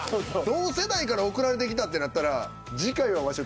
同世代から送られてきたってなったら「次回は和食？